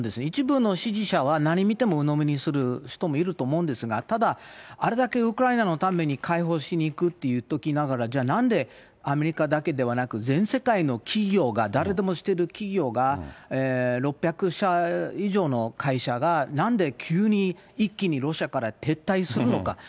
一部の支持者は何見てもうのみにする人もいると思うんですが、ただあれだけウクライナのために解放しに行くって言っときながら、じゃあ、なんで、アメリカだけではなく、全世界の企業が、誰でも知ってる企業が、６００社以上の会社がなんで急に一気にロシアから撤退するのか。